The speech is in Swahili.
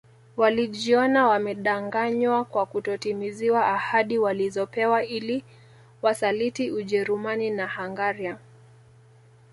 Walijiona wamedanganywa kwa kutotimiziwa ahadi walizopewa ili Wasaliti Ujerumani na Hungaria